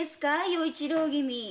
与一郎君。